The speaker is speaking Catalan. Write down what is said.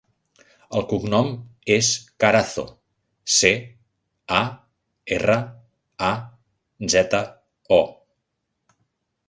El cognom és Carazo: ce, a, erra, a, zeta, o.